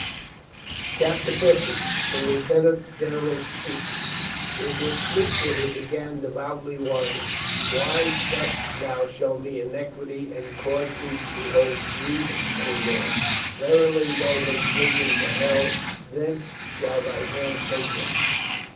.. CHAPTER FIFTY THE LIEUTENANT GENERAL SPEAKS T T WAS Fleetwood who began devoutly whining :■ "Why dost thou show me iniquity and cause me to behold grievance, O Lord ? Verily, though they dig into hell, thence shall Thy hand take them."